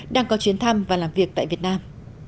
đang có chuyến thăm và làm việc tại việt nam